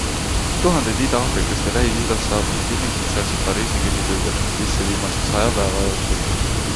Tuhanded Ida-Aafrikast ja Lähis-Idast saabunud inimesed seadsid Pariisi kõnniteedel end sisse viimase saja päeva jooksul.